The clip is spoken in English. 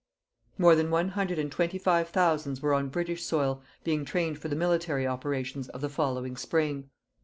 More than one hundred and twenty five thousands were on British soil, being trained for the military operations of the following spring.